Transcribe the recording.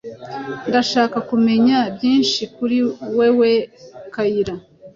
Ndashaka kumenya byinshi kuri wewe, Kayira.